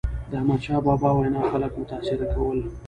د احمدشاه بابا وینا خلک متاثره کول.